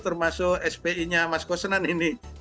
termasuk spi nya mas kosenan ini